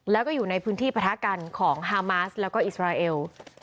แล้วก็อยู่ในพื้นที่ปะทะกันของฮามาสแล้วก็อิสราเอล